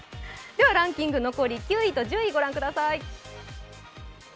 ランキング、残り９位と１０位ご覧ください。